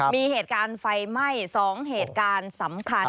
มีเหตุการณ์ไฟไหม้๒เหตุการณ์สำคัญ